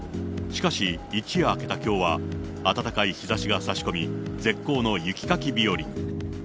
しかし、一夜明けたきょうは、暖かい日ざしがさし込み、絶好の雪かき日和に。